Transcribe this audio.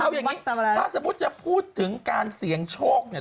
เอาอย่างนี้ถ้าสมมุติจะพูดถึงการเสี่ยงโชคเนี่ย